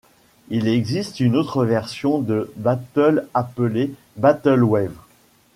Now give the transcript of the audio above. Il existe une autre version de Battle appelé Battlewave.